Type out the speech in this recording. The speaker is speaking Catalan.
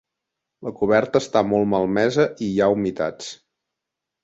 La coberta està molt malmesa i hi ha humitats.